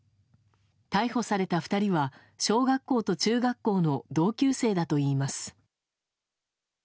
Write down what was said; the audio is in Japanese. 逮捕された２人は小学校と中学校の同級生だといいます。